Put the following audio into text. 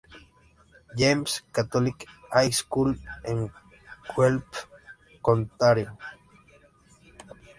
James Catholic High School en Guelph, Ontario.